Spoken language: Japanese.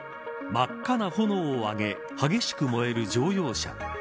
真っ赤な炎を上げ激しく燃える乗用車。